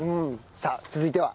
さあ続いては？